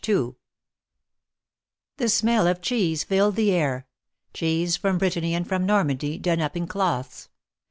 ♦ The smell of cheese filled the air — cheese from Brittany and from Normandy, done up in cloths.